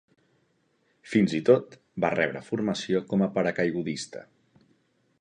Fins i tot, va rebre formació com a paracaigudista.